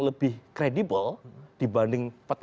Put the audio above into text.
lebih kredibel dibanding